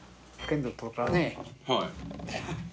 はい。